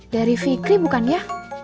dari fikri bukan ya